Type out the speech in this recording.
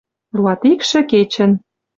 Луатикшӹ кечӹн